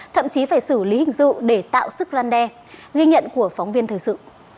thậm chí phải xử lý hình sự để tạo sức răn đe ghi nhận của phóng viên thời sự